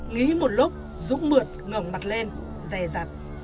nghĩ một lúc dũng mượt ngẩm mặt lên rè rặt